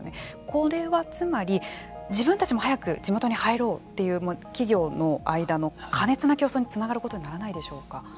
これは、つまり自分たちも早く地元に入ろうという企業の間の苛烈な競争につながることにならないでしょうか。